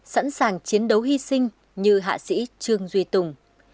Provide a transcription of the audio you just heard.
sẵn sàng chiến đấu hy sinh như hạ sĩ trương duy tùng